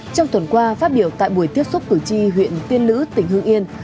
trong tuần qua phát biểu tại buổi tiếp xúc cử tri huyện tiên lữ tỉnh hương yên